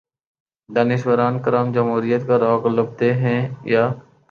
دانشوران کرام جمہوریت کا راگ الاپتے ہیں یا